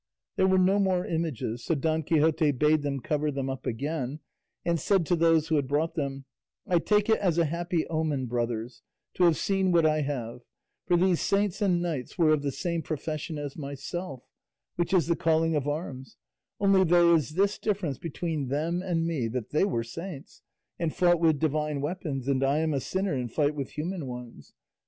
There were no more images, so Don Quixote bade them cover them up again, and said to those who had brought them, "I take it as a happy omen, brothers, to have seen what I have; for these saints and knights were of the same profession as myself, which is the calling of arms; only there is this difference between them and me, that they were saints, and fought with divine weapons, and I am a sinner and fight with human ones.